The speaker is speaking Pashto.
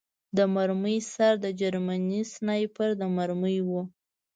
د مرمۍ سر د جرمني سنایپر د مرمۍ و